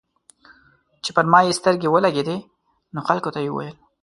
چې پر ما يې سترګې ولګېدې نو خلکو ته یې وويل.